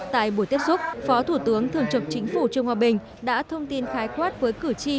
tại buổi tiếp xúc phó thủ tướng thường trực chính phủ trương hòa bình đã thông tin khái quát với cử tri